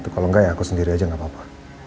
kalau enggak ya aku sendiri aja nggak apa apa